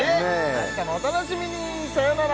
明日もお楽しみにさよなら！